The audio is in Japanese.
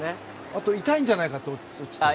あと痛いんじゃないかなって。